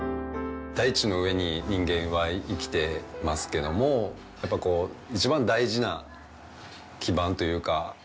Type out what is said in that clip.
大地の上に人間は生きてますけどもやっぱこう一番大事な基盤というか。